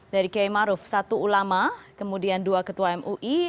dari q ma'ruf satu ulama kemudian dua ketua mui